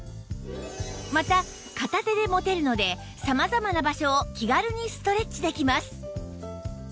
また片手で持てるので様々な場所を気軽にストレッチできます